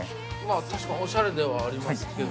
◆確かに、おしゃれではありますけど。